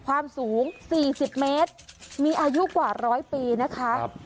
ความสูงสี่สิบเมตรมีอายุกว่าร้อยปีนะคะครับ